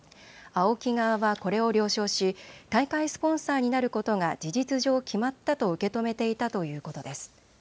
ＡＯＫＩ側はこれを了承し大会スポンサーになることが事実上、決まったと受け止めていたということです。